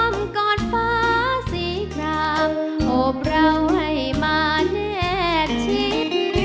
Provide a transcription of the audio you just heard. ก่อนฟ้าสีครามโอบเราให้มาแนบชิด